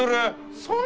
そんな！